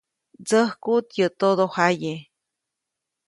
Ndsäjkuʼt yäʼ todojaye.